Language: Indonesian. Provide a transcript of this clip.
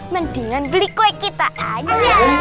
mendingan beli kue kita aja